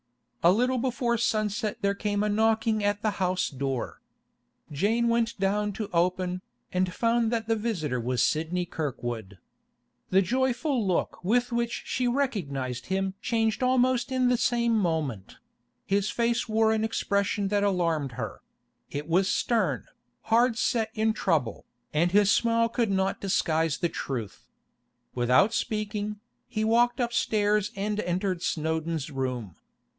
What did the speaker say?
A little before sunset there came a knocking at the house door. Jane went down to open, and found that the visitor was Sidney Kirkwood. The joyful look with which she recognised him changed almost in the same moment; his face wore an expression that alarmed her; it was stern, hard set in trouble, and his smile could not disguise the truth. Without speaking, he walked upstairs and entered Snowdon's room.